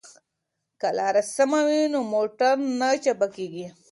که لار سمه وي نو موټر نه چپه کیږي.